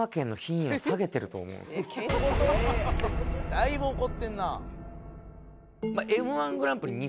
「だいぶ怒ってんな」